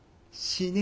死ね！